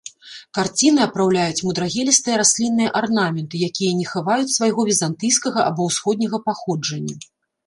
Карціны апраўляюць мудрагелістыя раслінныя арнаменты, якія не хаваюць свайго візантыйскага або ўсходняга паходжання.